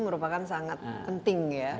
merupakan sangat penting ya